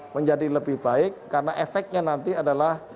menjadi lebih baik karena efeknya nanti adalah